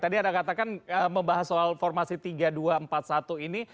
tadi anda katakan membahas soal formasi tiga dua empat satu ini